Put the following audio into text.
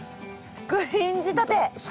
スクリーン仕立て。